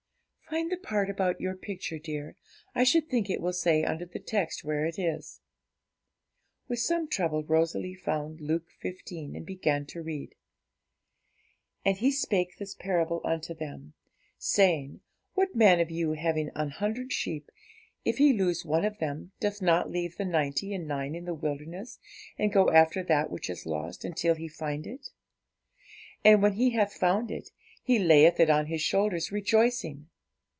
'Find the part about your picture, dear; I should think it will say under the text where it is.' With some trouble Rosalie found Luke xv. and began to read 'And He spake this parable unto them, saying, What man of you, having an hundred sheep, if he lose one of them, doth not leave the ninety and nine in the wilderness, and go after that which is lost, until he find it? And when he hath found it, he layeth it on his shoulders, rejoicing.